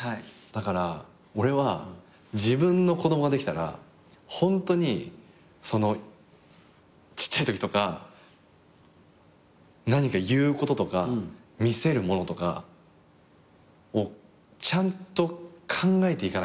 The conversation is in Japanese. だから俺は自分の子供ができたらホントにちっちゃいときとか何か言うこととか見せるものとかをちゃんと考えていかないとなっていうのをね